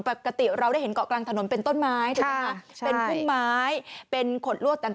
ปกติเราได้เห็นเกาะกลางถนนเป็นต้นไม้เป็นผู้ไม้เป็นขนลวดต่าง